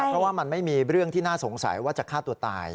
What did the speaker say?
เพราะว่ามันไม่มีเรื่องที่น่าสงสัยว่าจะฆ่าตัวตาย